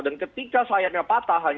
dan ketika sayapnya patah